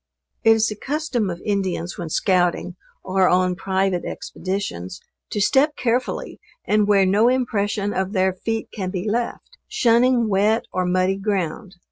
It is the custom of Indians when scouting, or on private expeditions, to step carefully and where no impression of their feet can be left shunning wet or muddy ground.